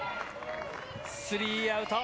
スリーアウト。